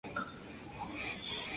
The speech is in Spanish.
Nada se sabe de su vida.